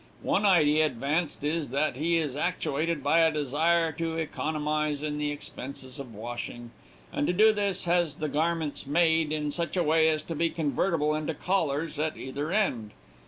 One idea advanced is, that he is actuated by a desire to economize in the expenses of washing, and to do this, has the garments made in such a way as to be convertible into collars at either end.